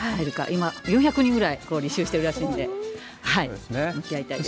今、４００人ぐらい履修してるらしいんで、向き合いたいです。